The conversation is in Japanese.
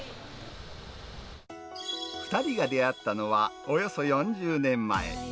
２人が出会ったのは、およそ４０年前。